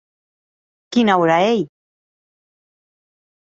Quina ora ei?